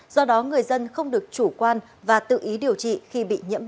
do đó người dân không được chủ quan và tự ý điều trị khi bị nhiễm bệnh